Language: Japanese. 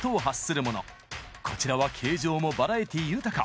こちらは形状もバラエティー豊か。